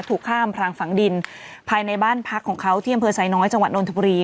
ถูกข้ามพลังฝังดินภายในบ้านพักของเขาที่เยี่ยมเภอสายน้อยจังหวัดโดนทบรี